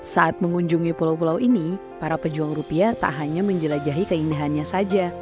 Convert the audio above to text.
saat mengunjungi pulau pulau ini para pejuang rupiah tak hanya menjelajahi keindahannya saja